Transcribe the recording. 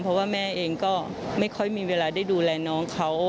เพราะว่าแม่เองก็ไม่ค่อยมีเวลาได้ดูแลน้องเขา